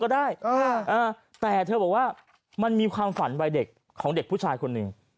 ได้แต่เธอบอกว่ามันมีความฝันวัยเด็กของเด็กผู้ชายคนหนึ่ง